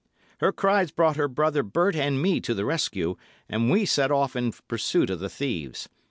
Her cries brought her brother Bert and me to the rescue, and we set off in pursuit of the thieves.